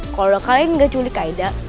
kalo kalian gak culik aida